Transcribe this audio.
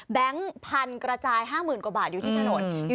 พันกระจาย๕๐๐๐กว่าบาทอยู่ที่ถนน